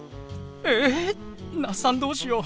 え那須さんどうしよう。